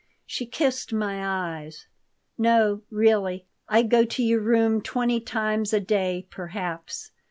She kissed my eyes. "No, really, I go to your room twenty times a day, perhaps.